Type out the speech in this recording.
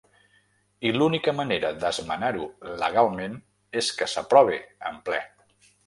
I l’única manera d’esmenar-ho legalment és que s’aprove en ple.